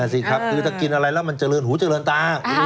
อ้อนั่นสิครับคือมันจะเจริญหูเจริญตา